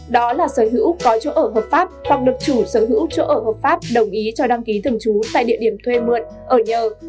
đó là sở hữu có chỗ ở hợp pháp hoặc được chủ sở hữu chỗ ở hợp pháp đồng ý cho đăng ký thường trú tại địa điểm thuê mượn ở nhờ